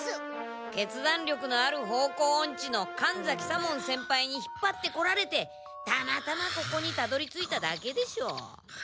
決断力のある方向オンチの神崎左門先輩に引っ張ってこられてたまたまここにたどりついただけでしょ。